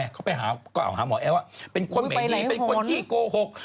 ก็ไปหาหมอแอร์ว่าเป็นคนเหม่ดีเป็นคนขี้โกหก